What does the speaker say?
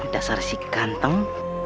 dasar si ganteng